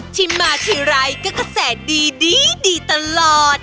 ที่มาทีไรก็กระแสดีตลอด